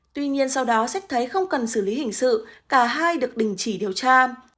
tuy nhiên sau đó xét thấy không cần xử lý hình sự cả hai được đình chỉ điều tra